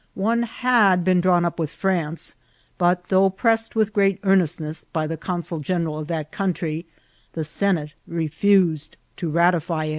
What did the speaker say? One had been drawn up with France, but, though pressed with great earnestness by the consul general of that country, the senate refused to ratify it.